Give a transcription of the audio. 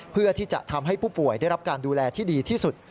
เพื่อที่จะทำให้ผู้ป่วยได้รับการดูแลที่ดีที่สุด